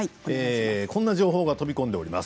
こんな情報が飛び込んでおります